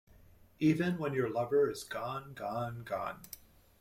Even when your lover is gone, gone, gone.